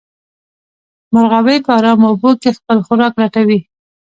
مرغابۍ په ارامو اوبو کې خپل خوراک لټوي